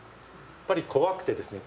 やっぱり怖くてですね